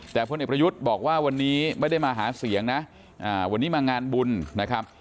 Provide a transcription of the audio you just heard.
แต่พลเอกประยุทธ์บอกว่าวันนี้ไม่ได้มาหาเสียงนะวันนี้มางานบุญนะครับ